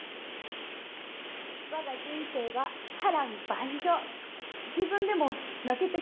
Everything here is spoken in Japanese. わが人生は波乱万丈。